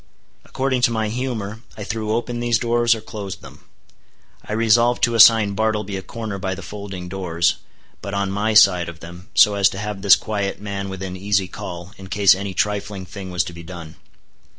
According to my humor I threw open these doors, or closed them. I resolved to assign Bartleby a corner by the folding doors, but on my side of them, so as to have this quiet man within easy call, in case any trifling thing was to be done.